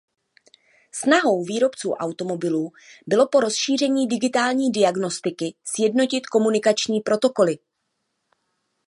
Snahou výrobců automobilů bylo po rozšíření digitální diagnostiky sjednotit komunikační protokoly.